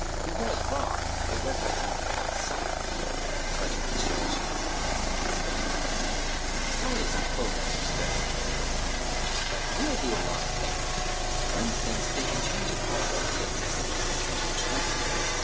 He was wrong. It worked by something called psi." Sergeant Fitzgerald shook his head. It still needed clearing. "Psi still isn't fully understood," explained Brink, "but it will do a lot of things. For instance, it can change probability as magnetism can change temperature.